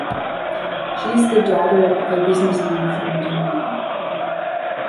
She is the daughter of a businessman from Dülmen.